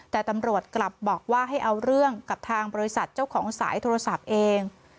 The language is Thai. แต่ตำรวจกลับบอกว่าให้เอาเรื่องกับทางบริษัทเจ้าของสายโทรศัพท์เอง